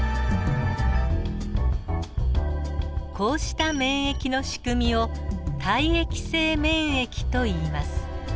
こうした免疫のしくみを体液性免疫といいます。